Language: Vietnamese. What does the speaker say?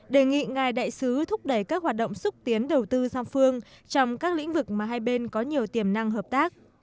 đề nghị ngài đại sứ thúc đẩy các hoạt động xúc tiến đầu tư song phương trong các lĩnh vực mà hai bên có nhiều tiềm năng hợp tác